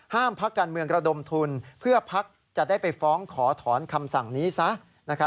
พักการเมืองระดมทุนเพื่อพักจะได้ไปฟ้องขอถอนคำสั่งนี้ซะ